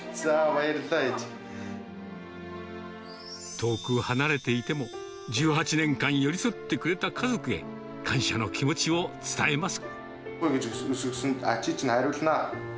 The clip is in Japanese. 遠く離れていても、１８年間寄り添ってくれた家族へ、感謝の気持ちを伝えます。